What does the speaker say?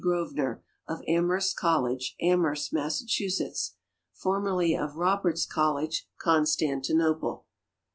Grosvenor, of Amherst College, Amherst, Massachusetts, formerly of Roberts College, Constantinople.